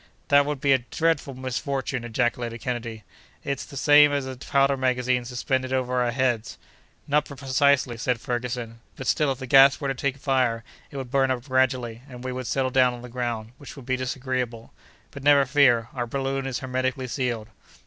"That would be a dreadful misfortune!" ejaculated Kennedy. "It's the same as a powder magazine suspended over our heads." "Not precisely," said Ferguson, "but still if the gas were to take fire it would burn up gradually, and we should settle down on the ground, which would be disagreeable; but never fear—our balloon is hermetically sealed."